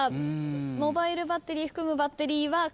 モバイルバッテリー含むバッテリーは９位。